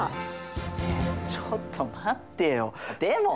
ちょっと待ってよでもさ。